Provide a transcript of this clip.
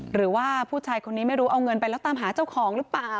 หรือว่าผู้ชายคนนี้ไม่รู้เอาเงินไปแล้วตามหาเจ้าของหรือเปล่า